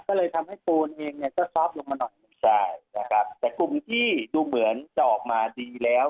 ก็เลยทำให้ปูนเองเนี่ยก็ซอฟต์ลงมาหน่อยหนึ่งใช่นะครับแต่กลุ่มที่ดูเหมือนจะออกมาดีแล้ว